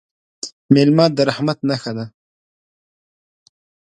مېلمه د رحمت نښه ده.